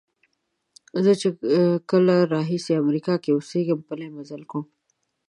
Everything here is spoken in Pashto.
زه چې کله راهیسې امریکا کې اوسېږم پلی مزل کوم.